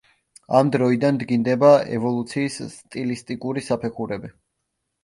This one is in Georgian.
ამ დროიდან დგინდება ევოლუციის სტილისტიკური საფეხურები.